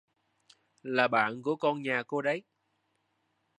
Là bạn của con nhà cô đấy